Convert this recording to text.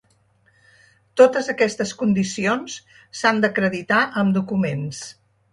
Totes aquestes condicions s’han d’acreditar amb documents.